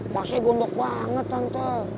rasanya gondok banget tante